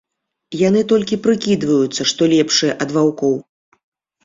Яны толькі прыкідваюцца, што лепшыя ад ваўкоў.